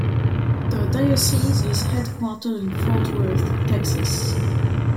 The diocese is headquartered in Fort Worth, Texas.